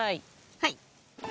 はい。